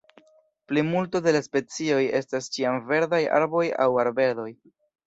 Plimulto de la specioj estas ĉiamverdaj arboj aŭ arbedoj.